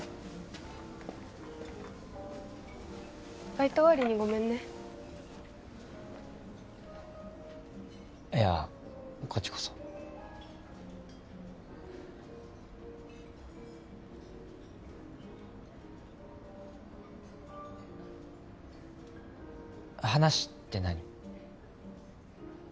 バイト終わりにごめんねいやこっちこそ話って何？